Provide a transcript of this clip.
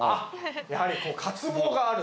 やはり渇望がある。